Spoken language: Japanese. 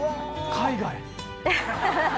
海外！